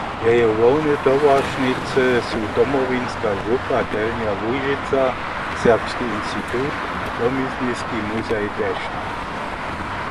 Jeje hłowne towaršnicy su Domowinska župa Delnja Łužica, Serbski institut a Domizniski muzej Dešno.